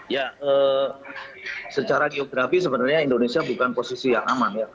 ya secara geografi sebenarnya indonesia bukan posisi yang aman ya